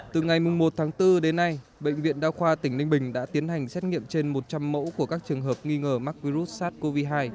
từ ngày một tháng bốn đến nay bệnh viện đa khoa tỉnh ninh bình đã tiến hành xét nghiệm trên một trăm linh mẫu của các trường hợp nghi ngờ mắc virus sars cov hai